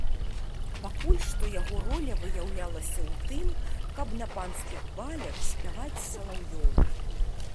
Пакуль што яго роля выяўлялася ў тым, каб на панскіх балях спяваць салаўём.